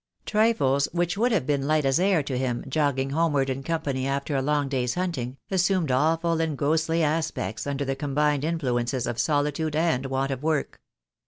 Trifles which would have been light as air to him, jogging homeward in company after a long day's hunting, assumed awful and ghostly aspects under the combined influences of solitude and want of work.